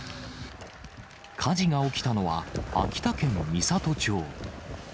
火事が起きたのは秋田県美郷町。